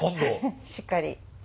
しっかり。